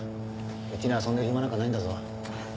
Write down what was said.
うちにはそんな暇なんかないんだぞ。